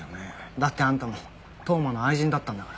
だってあんたも当麻の愛人だったんだから。